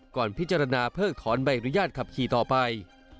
ก่อนพิจารณาเพิกถอนใบอนุญาตขับขี่ต่อไป